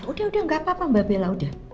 udah udah gak apa apa mbak bella udah